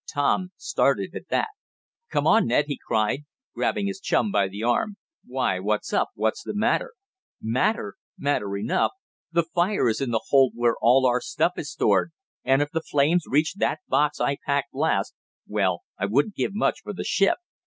Tom started at that. "Come on, Ned!" he cried, grabbing his chum by the arm. "Why, what's up? What's the matter?" "Matter? Matter enough! The fire is in the hold where all our stuff is stored, and if the flames reach that box I packed last well, I wouldn't give much for the ship!"